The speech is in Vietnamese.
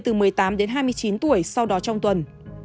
từ một mươi tám đến hai mươi tuổi